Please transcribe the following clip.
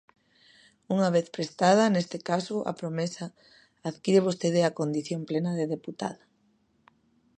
Unha vez prestada, neste caso, a promesa, adquire vostede a condición plena de deputada.